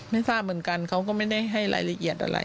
ไม่ทราบเหมือนกันเขาก็ไม่ได้ให้รายละเอียดอะไร